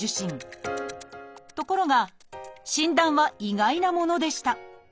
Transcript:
ところが診断は意外なものでした。